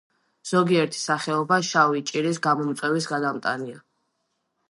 ზოგიერთი სახეობა შავი ჭირის გამომწვევის გადამტანია.